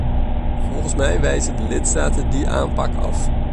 Volgens mij wijzen de lidstaten die aanpak af.